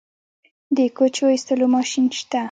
د کوچو ایستلو ماشین شته؟